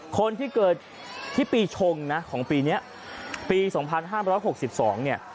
คนที่เกิดที่ปีชงนะของปีเนี้ยปีสองพันห้าร้ายร้อยหกสิบสองเนี้ย